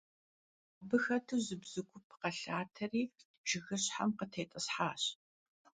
Abı xetu zı bzu gup khelhateri jjıgışhem khıtêt'ıshaş.